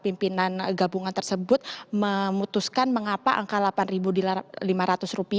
pimpinan gabungan tersebut memutuskan mengapa angka rp delapan lima ratus